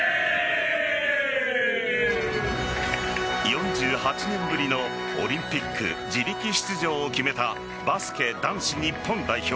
４８年ぶりのオリンピック自力出場を決めたバスケ男子日本代表。